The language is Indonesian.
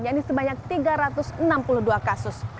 yang disebanyak tiga ratus enam puluh dua kasus